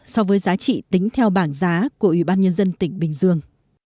so với giá trị tính theo bảng giá của ủy ban nhân dân tỉnh bình dương